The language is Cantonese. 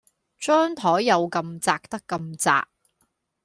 張檯有咁窄得咁窄